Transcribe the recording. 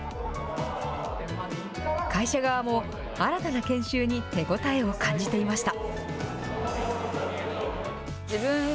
会社側も、新たな研修に手応えを感じていました。